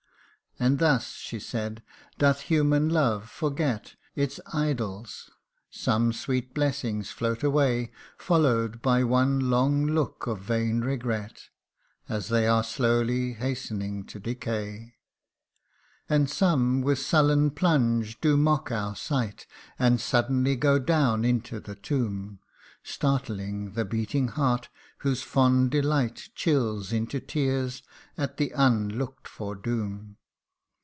52 THE UNDYING ONE. ' And thus/ she said, ' doth human love forget Its idols some sweet blessings float away, Follow 'd by one long look of vain regret, As they are slowly hastening to decay ; And some, with sullen plunge, do mock our sight, And suddenly go down into the tomb, Startling the beating heart, whose fond delight Chills into tears at that unlook'd for doom.